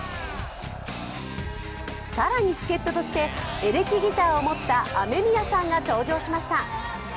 更に助っととしてエレキギターを持ったＡＭＥＭＩＹＡさんが登場しました。